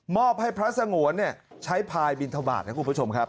อบให้พระสงวนใช้พายบินทบาทนะคุณผู้ชมครับ